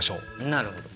なるほど。